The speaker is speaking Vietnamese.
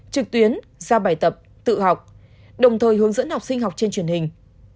trực tuyến giao bài tập tự học đồng thời hướng dẫn học sinh học trên truyền hình